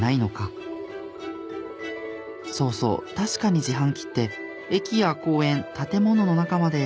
そうそう確かに自販機って駅や公園建物の中まで。